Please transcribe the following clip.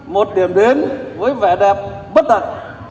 một điểm đến với vẻ đẹp bất đặc